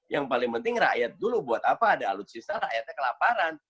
yang paling penting rakyat dulu buat apa ada alutsista rakyatnya kelaparan